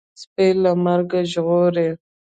سپى له مرګه ژغوري.